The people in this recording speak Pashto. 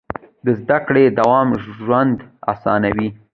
د زده کړې دوام ژوند اسانوي.